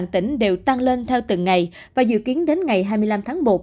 tỉnh đều tăng lên theo từng ngày và dự kiến đến ngày hai mươi năm tháng một